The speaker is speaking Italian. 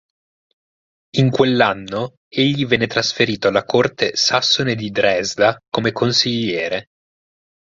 In quell'anno egli venne trasferito alla corte sassone di Dresda come consigliere.